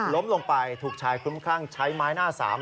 ล้มลงไปถูกชายคลุ้มคลั่งใช้ไม้หน้าสาม